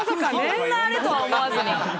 そんなあれとは思わずに。